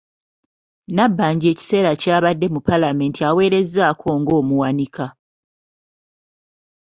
Nabbanja ekiseera ky’abadde mu Paalamenti aweerezzaako ng’omuwanika.